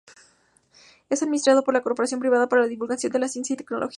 Es administrado por la Corporación Privada para la Divulgación de la Ciencia y Tecnología.